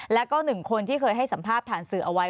แล้วก็หนึ่งคนที่เคยให้สัมภาษณ์ผ่านสื่อเอาไว้